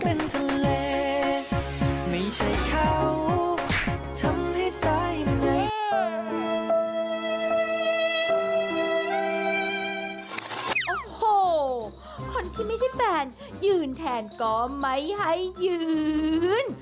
โอ้โหคนที่ไม่ใช่แฟนยืนแทนก็ไม่ให้ยืน